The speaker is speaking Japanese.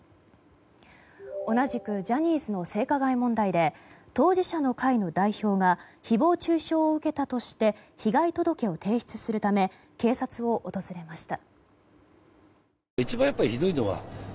同じくジャニーズの性加害問題で当事者の会の代表が誹謗中傷を受けたとして被害届を提出するため警察を訪れました。